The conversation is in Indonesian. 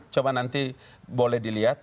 coba nanti boleh dilihat